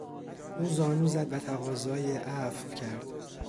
او زانو زد و تقاضای عفو کرد.